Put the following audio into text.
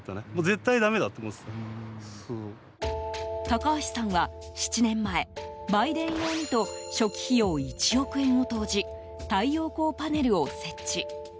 高橋さんは７年前売電用にと初期費用１億円を投じ太陽光パネルを設置。